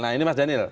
nah ini mas daniel